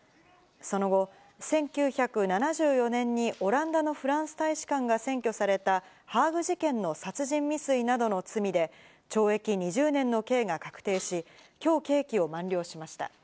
その後、１９７４年にオランダのフランス大使館が占拠されたハーグ事件の殺人未遂などの罪で、懲役２０年の刑が確定し、きょう、刑期を満了しました。